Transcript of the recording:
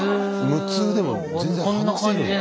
無痛でも全然話せるんだ。